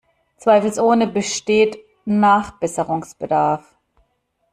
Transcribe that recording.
Zweifelsohne besteht Nachbesserungsbedarf.